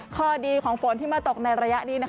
ข้อดีของฝนที่มาตกในระยะนี้